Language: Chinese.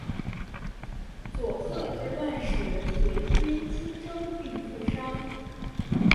佐贺之乱时随军出征并负伤。